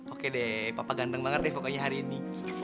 oke deh papa ganteng banget deh pokoknya hari ini